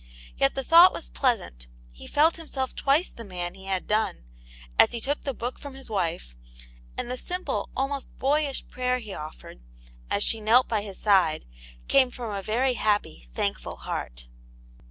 Yet the thought was pleasant ; he felt himself twice the man he had done, as he took the book from his wife, and the simple, almost boyish prayer he offered, as she knelt by his side, came from a very happy, thankful heart.